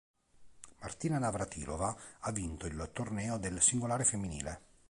Martina Navrátilová ha vinto il torneo del singolare femminile.